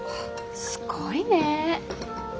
すごいねえ。